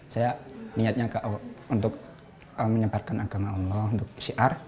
saya niatnya untuk menyebarkan agama allah untuk syiar